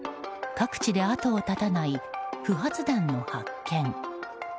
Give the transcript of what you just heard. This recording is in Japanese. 各地で後を絶たない不発弾の発見。